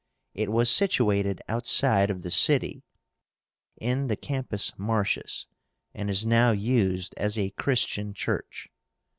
It was situated outside of the city, in the Campus Martius, and is now used as a Christian church.